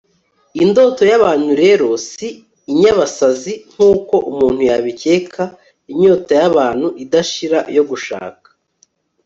indoto y'abantu rero si inyabasazi nk'uko umuntu yabikeka inyota y'abantu idashira yo gushaka